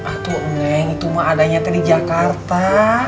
atu neng itu mah adanya teh di jakarta